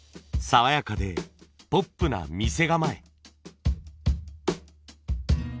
爽やかでポップな店構え。